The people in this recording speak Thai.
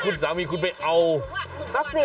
คุณสามีไปเอาตัวตัวตัว